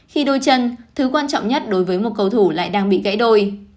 khi đôi chân thứ quan trọng nhất đối với một cầu thủ lại đang bị gãy đôi